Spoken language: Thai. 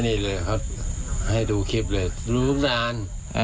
นี่เลยเขาให้ดูคลิปเลยรู้นาน